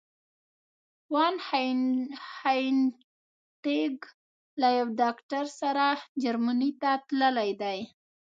وان هینټیګ له یو ډاکټر سره جرمني ته تللي دي.